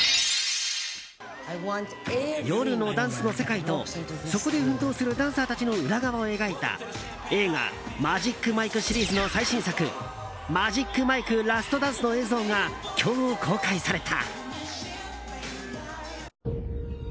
夜のダンスの世界とそこで奮闘するダンサーたちの裏側を描いた映画「マジック・マイク」シリーズの最新作「マジック・マイクラストダンス」の映像が今日、公開された。